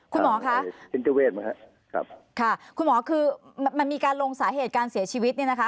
คุณหมอค่ะคุณหมอคือมันมีการลงสาเหตุการเสียชีวิตเนี่ยนะคะ